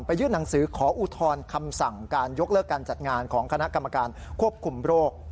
ยื่นหนังสือขออุทธรณ์คำสั่งการยกเลิกการจัดงานของคณะกรรมการควบคุมโรค